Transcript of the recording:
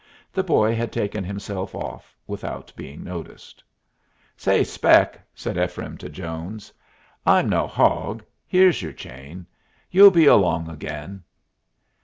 The boy had taken himself off without being noticed. "Say, Spec," said Ephraim to Jones, "I'm no hog. Here's yer chain. You'll be along again."